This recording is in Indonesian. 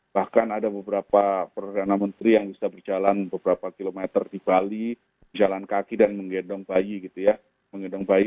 bahkan ada beberapa perhubungan menteri yang bisa berjalan beberapa kilometer di bali berjalan kaki dan mengendong bayi gitu ya